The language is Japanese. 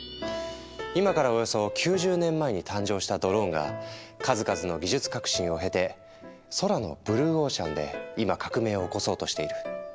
今からおよそ９０年前に誕生したドローンが数々の技術革新を経て空のブルーオーシャンで今革命を起こそうとしている。